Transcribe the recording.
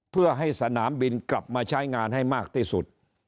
เพื่อให้สนามบินกลับมาใช้งานให้มากที่สุด